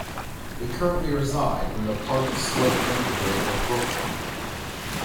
They currently reside in the Park Slope neighborhood of Brooklyn.